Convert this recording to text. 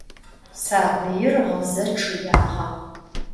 Sabıir ğıze ççıyağe.